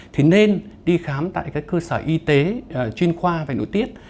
thì nên đi khám tại các cơ sở y tế chuyên khoa về nội tiết